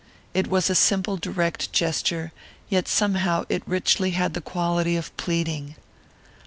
It was a simple, direct gesture, yet somehow it richly had the quality of pleading.